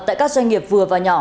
tại các doanh nghiệp vừa và nhỏ